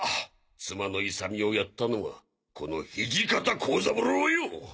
妻の勇美を殺ったのはこの土方幸三郎よぉ！